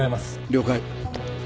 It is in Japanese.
了解。